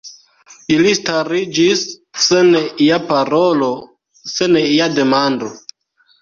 Ili stariĝis sen ia parolo, sen ia demando.